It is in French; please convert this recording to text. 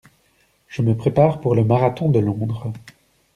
Je me prépare pour le marathon de Londres.